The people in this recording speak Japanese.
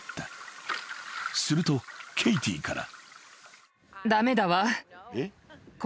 ［するとケイティから］